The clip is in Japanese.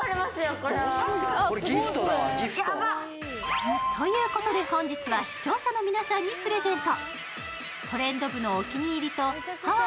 これギフトだわ、ギフト。ということで本日は視聴者の皆さんにプレゼント。